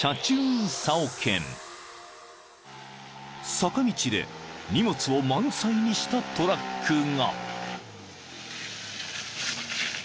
［坂道で荷物を満載にしたトラックが］